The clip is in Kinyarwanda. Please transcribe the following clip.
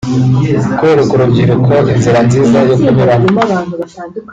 Kwereka urubyiruko inzira nziza yo kunyuramo